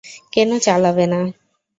কেন চালাবে না?